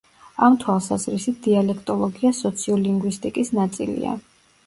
ამ თვალსაზრისით, დიალექტოლოგია სოციოლინგვისტიკის ნაწილია.